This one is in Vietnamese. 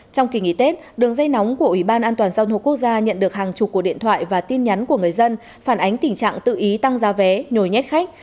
trong kỳ nghỉ tết đường dây nóng của ủy ban an toàn giao thông quốc gia nhận được hàng chục cuộc điện thoại và tin nhắn của người dân phản ánh tình trạng tự ý tăng giá vé nhồi nhét khách